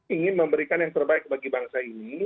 ingin memberikan yang terbaik bagi bangsa ini